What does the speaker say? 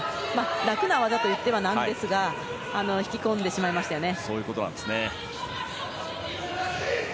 楽な技といったらなんですが引き込んでしまいましたよね。